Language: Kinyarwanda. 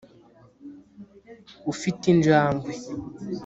ufite injangwe